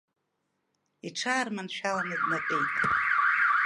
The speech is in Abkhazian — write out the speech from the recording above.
Иҽаарманшәаланы днатәеит.